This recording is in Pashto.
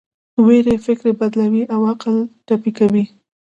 ویرې فکر بدلوي او عقل ټپي کوي.